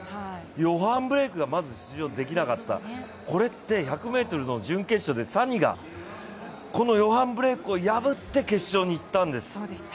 ヨハン・ブレイクがまず出場できなかったこれって１００ｍの予選でサニがヨハン・ブレイクを破って決勝にいったんです。